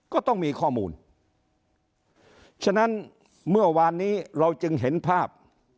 ก็ต้องมีข้อมูลฉะนั้นเมื่อวานนี้เราจึงเห็นภาพ